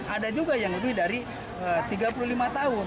ada juga yang lebih dari tiga puluh lima tahun